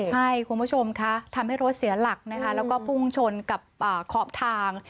ใช่คุณผู้ชมค่ะทำให้รถเสียหลักนะคะแล้วก็พุ่งชนกับขอบทาง